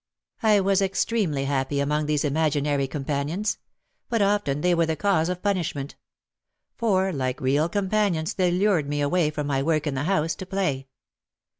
I was extremely happy among these imaginary com panions. But often they were the cause of punishment. For like real companions they lured me away from my work in the house, to play.